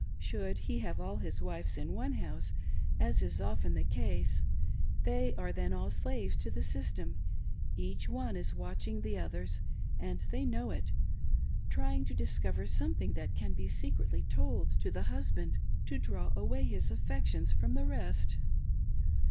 Should he have all his wives in one house, as is often the case, they are then all slaves to the system, each one is watching the others — and they know it — trying to discover something that can be secretly told to the husband to draw away his affections from the rest.